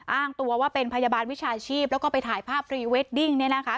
อ้างตัวว่าเป็นพยาบาลวิชาชีพแล้วก็ไปถ่ายภาพพรีเวดดิ้งเนี่ยนะคะ